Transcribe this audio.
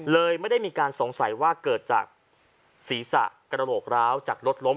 ไม่ได้มีการสงสัยว่าเกิดจากศีรษะกระโหลกร้าวจากรถล้ม